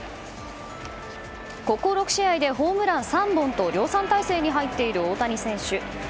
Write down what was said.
ここ６試合でホームラン３本と量産態勢に入っている大谷選手。